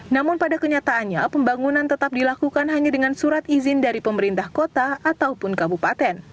namun pada kenyataannya pembangunan tetap dilakukan hanya dengan surat izin dari pemerintah kota ataupun kabupaten